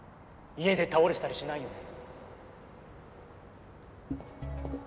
家で倒れてたりしないよね